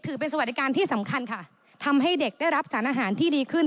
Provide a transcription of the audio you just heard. ถือเป็นสวัสดิการที่สำคัญค่ะทำให้เด็กได้รับสารอาหารที่ดีขึ้น